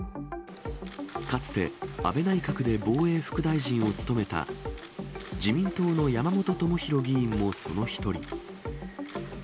かつて、安倍内閣で防衛副大臣を務めた、自民党の山本朋広議員もその一人。